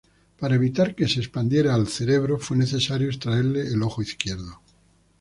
Para evitar que se expandiera al cerebro fue necesario extraerle el ojo izquierdo.